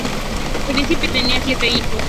Prince tiene siete hijos.